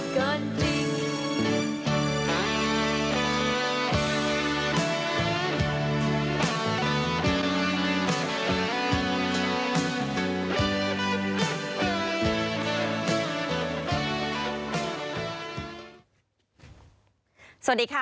สวัสดีค่ะสวัสดีค่ะ